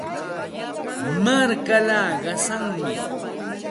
Markaata qasanmi.